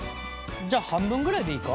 じゃあ半分ぐらいでいいか？